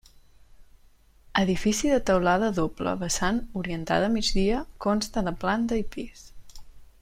Edifici de teulada a doble vessant, orientada a migdia, consta de planta i pis.